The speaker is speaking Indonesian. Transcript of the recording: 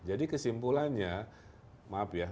jadi kesimpulannya maaf ya